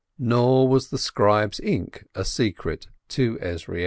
Nor was the scribe's ink a secret to Ezrielk.